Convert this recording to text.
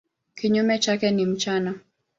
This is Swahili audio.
Kinyume chake ni mchana.